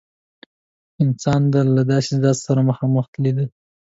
انسان له داسې ذات سره مخامخ لیده.